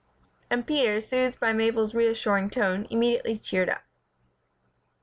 And Peter, soothed by Mabel's reassuring tone, immediately cheered up.